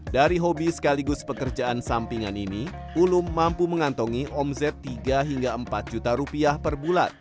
dari hobi sekaligus pekerjaan sampingan ini ulum mampu mengantongi omzet tiga hingga empat juta rupiah per bulan